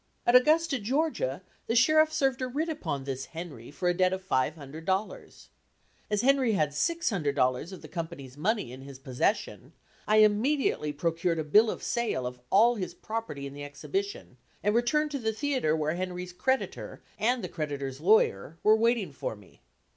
At Augusta, Georgia, the sheriff served a writ upon this Henry for a debt of $500. As Henry had $600 of the company's money in his possession, I immediately procured a bill of sale of all his property in the exhibition and returned to the theatre where Henry's creditor and the creditor's lawyer were waiting for me.